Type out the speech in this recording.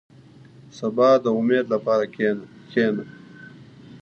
• د سبا د امید لپاره کښېنه.